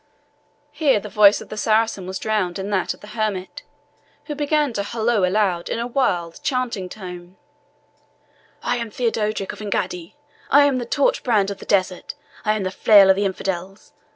Here the voice of the Saracen was drowned in that of the hermit, who began to hollo aloud in a wild, chanting tone, "I am Theodorick of Engaddi I am the torch brand of the desert I am the flail of the infidels!